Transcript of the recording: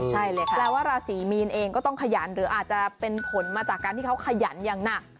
ใช่เลยค่ะแปลว่าราศีมีนเองก็ต้องขยันหรืออาจจะเป็นผลมาจากการที่เขาขยันอย่างหนัก